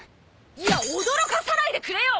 いや驚かさないでくれよ！